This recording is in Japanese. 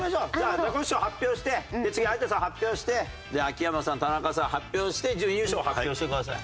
ザコシショウ発表して次有田さん発表して秋山さん田中さん発表して準優勝発表してください。